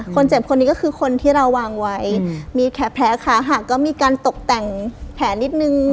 คนเจ็บคนนี้ก็คือคนที่เราวางไว้อืมมีแขกแพ้ค้าหากก็มีการตกแต่งแผนนิดนึง